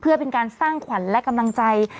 เพื่อเป็นการสร้างขวัญและกำลังใจ